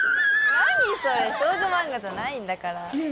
何それ少女漫画じゃないんだからねえ